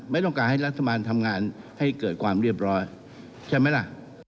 ไม่ต้องการให้รัฐบาลทำงานให้เกิดความเรียบร้อยใช่ไหมล่ะ